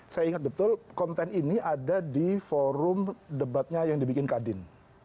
saya ingat betul konten ini ada di forum debatnya yang dibikin kadin